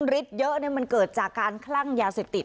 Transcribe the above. ริดเยอะเนี่ยมันเกิดจากการคลั่งยาเสพติด